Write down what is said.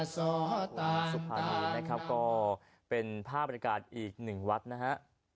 สุภานีนะครับก็เป็นภาพบริการอีกหนึ่งวัดนะฮะ